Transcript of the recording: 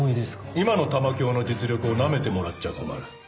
今の玉響の実力をナメてもらっちゃ困る。